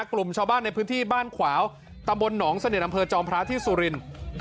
กลุ่มชาวบ้านในพื้นที่บ้านขวาวตำบลหนองสนิทอำเภอจอมพระที่สุรินทร์